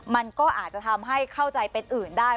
มันก็อาจจะทำให้เข้าใจเป็นอื่นได้